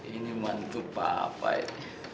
ini mantu papa ini